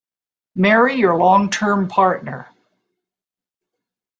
Marry your long-term partner.